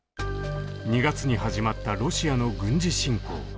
２月に始まったロシアの軍事侵攻。